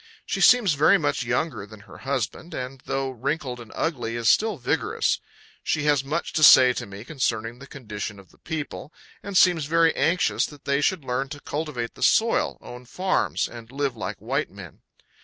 She seems very much younger than her husband, and, though wrinkled and ugly, is still vigorous. She has much to say to me concerning the condition of the people, and seems very anxious that they should learn to cultivate the soil, own farms, and live like white men.